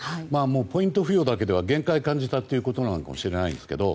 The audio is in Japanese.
ポイント付与だけでは限界を感じたということなのかもしれないんですけど。